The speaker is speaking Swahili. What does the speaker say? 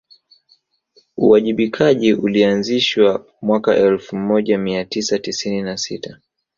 uwajibikaji ulianzishwa mwaka elfu moja mia tisa tisini na sita